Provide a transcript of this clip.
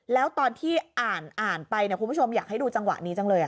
แล้วตอนที่อ่านไปคุณผู้ชมอยากให้ดูจังหวะนี้จังเลย